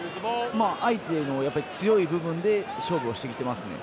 相手の強い部分で勝負をしてきていますね。